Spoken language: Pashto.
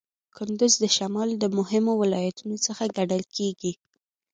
کندز د شمال د مهمو ولایتونو څخه ګڼل کیږي.